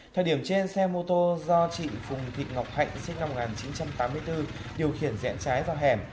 thời điểm trên xe mô tô do chị phùng thị ngọc hạnh sinh năm một nghìn chín trăm tám mươi bốn điều khiển rẽ trái vào hẻm